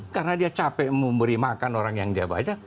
karena dia capek memberi makan orang yang dia bajak